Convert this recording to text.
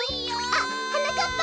あっはなかっぱ！